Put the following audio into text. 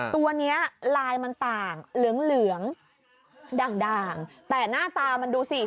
ตัวนี้ลายมันต่างเหลืองเหลืองด่างแต่หน้าตามันดูสิ